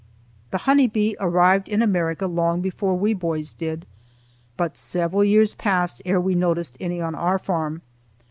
The honey bee arrived in America long before we boys did, but several years passed ere we noticed any on our farm.